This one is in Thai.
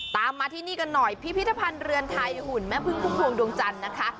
ตามมาที่นี่กันหน่อยพิพิธภัณฑ์เรือนไทยหุ่นแม่พึ่งพุ่มพวงดวงจันทร์นะคะ